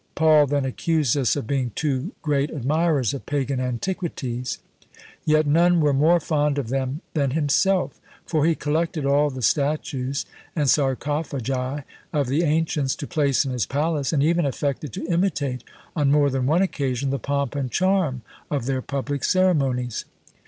Paul then accused us of being too great admirers of pagan antiquities; yet none were more fond of them than himself, for he collected all the statues and sarcophagi of the ancients to place in his palace, and even affected to imitate, on more than one occasion, the pomp and charm of their public ceremonies.